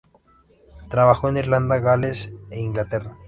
Trabajó en Irlanda, Gales e Inglaterra.